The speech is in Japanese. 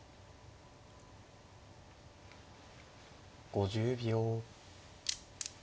５０秒。